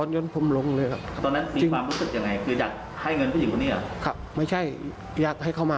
อยู่คนเดียวไม่มีครอบครัว